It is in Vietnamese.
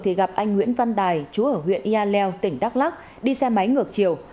thì gặp anh nguyễn văn đài chúa ở huyện nha leo tỉnh đắk lắc đi xe máy ngược chiều